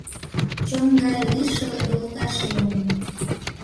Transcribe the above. Чон гай лишыл йолташемым